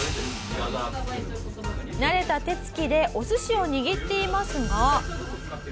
「慣れた手つきでお寿司を握っていますが」